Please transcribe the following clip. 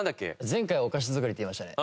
前回はお菓子作りって言いましたね。